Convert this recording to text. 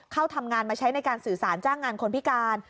เข้าทำงานมาใช้ในการสื่อสารจ้างงานคนพิการ